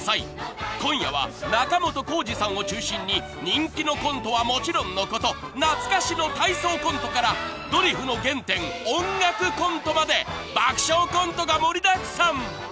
［今夜は仲本工事さんを中心に人気のコントはもちろんのこと懐かしの体操コントからドリフの原点音楽コントまで爆笑コントが盛りだくさん！］